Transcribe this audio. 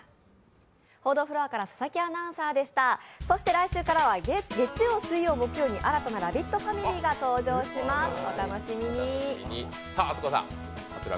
来週からは月曜、水曜、木曜に新たなラヴィットファミリーが登場します、お楽しみに。